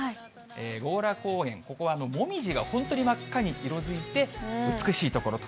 強羅公園、ここは紅葉が本当に真っ赤に色づいて、美しい所と。